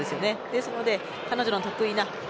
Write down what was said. ですので、彼女の得意な。